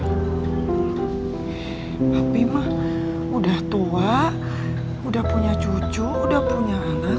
habimah udah tua udah punya cucu udah punya anak